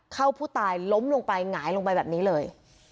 เข้าผู้ตายล้มลงไปหงายลงไปแบบนี้เลย